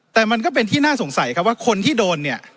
แต่มันก็เป็นที่น่าสงสัยครับว่าคนที่โดนเนี่ย